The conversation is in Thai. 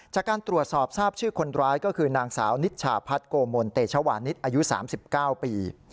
จากการตรวจสอบทราบชื่อคนร้ายก็คือนางสาวนิชชาพัฒน์โกมลเตชวานิสอายุ๓๙ปี